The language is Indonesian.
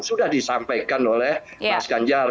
sudah disampaikan oleh mas ganjar